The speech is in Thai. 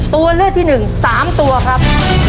ตัวเลือกที่หนึ่งสามตัวครับ